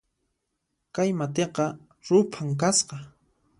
Kay matiqa ruphan kasqa